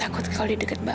kami ini berdua lonceng